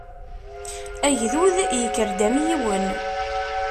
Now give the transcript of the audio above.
Agdud yekker-d am yiwen.